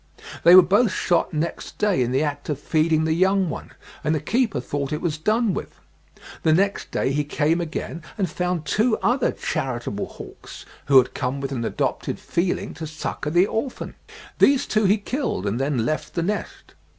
They were both shot next day, in the act of feeding the young one, and the keeper thought it was done with. The next day he came again and found two other charitable hawks, who had come with an adopted feeling to succour the orphan. These two he killed, and then left the nest.